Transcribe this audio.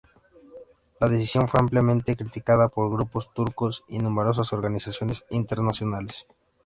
La decisión fue ampliamente criticada por grupos turcos y numerosas organizaciones internacionales.